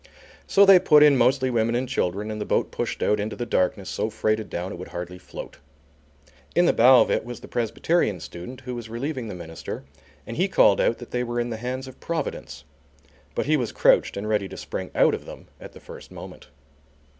So they put in mostly women and children and the boat pushed out into the darkness so freighted down it would hardly float. In the bow of it was the Presbyterian student who was relieving the minister, and he called out that they were in the hands of Providence. But he was crouched and ready to spring out of them at the first moment.